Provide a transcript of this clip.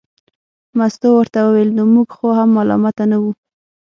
مستو ورته وویل نو موږ خو هم ملامته نه وو.